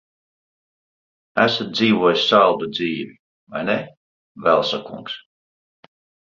Esat dzīvojis saldu dzīvi, vai ne, Velsa kungs?